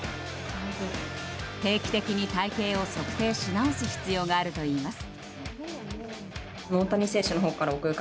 定期的に体形を測定し直す必要があるといいます。